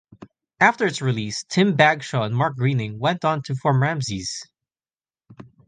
After its release Tim Bagshaw and Mark Greening went on to form Ramesses.